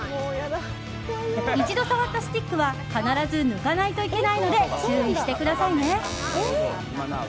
一度触ったスティックは必ず抜かないといけないので注意してくださいね。